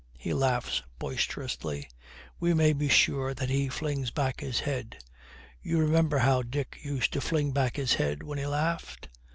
He laughs boisterously. We may be sure that he flings back his head. You remember how Dick used to fling back his head when he laughed?